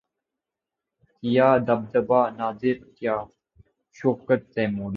کیا دبدبۂ نادر کیا شوکت تیموری